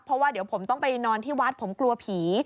เพราะว่าเดี๋ยวผมต้องไปนอนที่วัดผมกลัวผี